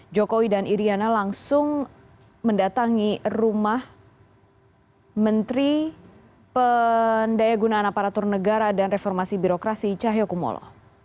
jokowi dan iryana langsung mendatangi rumah menteri pendaya gunaan aparatur negara dan reformasi birokrasi cahyokumolo